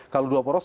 kalau dua poros